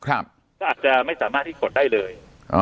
ก็อาจจะไม่สามารถที่กดได้เลย